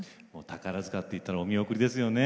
宝塚っていったらお見送りですよね。